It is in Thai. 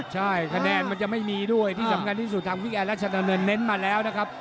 ใช่คะแนนมันจะไม่มีด้วยที่สำคัญที่สุดทางพี่แอนราชดำเนินเน้นมาแล้วนะครับ